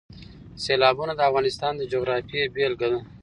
سیلابونه د افغانستان د جغرافیې بېلګه ده.